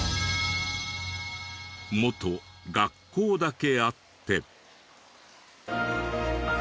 元学校だけあって。